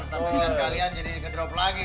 tapi dengan kalian jadi ke drop lagi